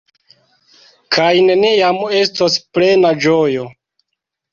Kaj neniam estos plena ĝojo.